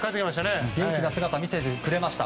元気な姿を見せてくれました。